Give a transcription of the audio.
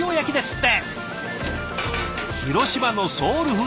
って